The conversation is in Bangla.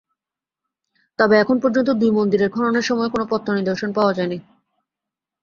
তবে এখন পর্যন্ত দুই মন্দিরের খননের সময়ে কোনো প্রত্ননিদর্শন পাওয়া যায়নি।